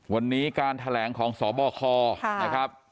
วันนี้การแถลงของสบคนะครับ